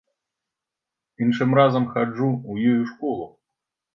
Іншым разам хаджу ў ёй у школу.